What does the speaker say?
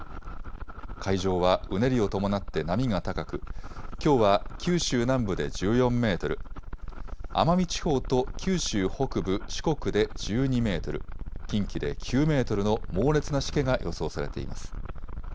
海上はうねりを伴って波が高くきょうは九州南部で１４メートル、奄美地方と九州北部、四国で１２メートル、近畿で９メートルの猛烈なしけが予想されています。